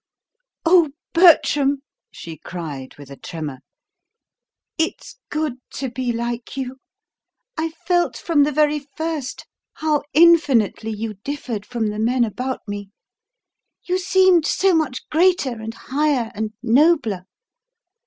"O Bertram," she cried with a tremor, "it's good to be like you. I felt from the very first how infinitely you differed from the men about me. You seemed so much greater and higher and nobler.